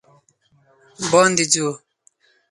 باندې ځو